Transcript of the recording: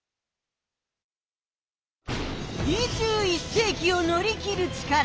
２１世きを乗り切る力。